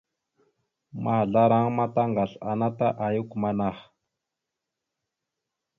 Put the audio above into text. Mahəzlaraŋa ma taŋgasl ana ta ayak amanah.